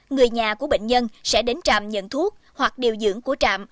người nhà của bệnh nhân sẽ đến trạm nhận thuốc hoặc điều dưỡng của trạm